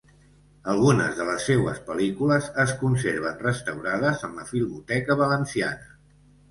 Algunes de les seues pel·lícules es conserven restaurades en la Filmoteca Valenciana.